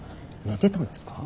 寝てたんですか？